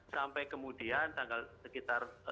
sampai kemudian tanggal sekitar